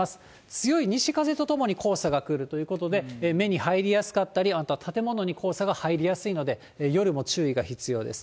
強い西風とともに黄砂が来るということで、目に入りやすかったり、また建物に黄砂が入りやすいので、夜も注意が必要です。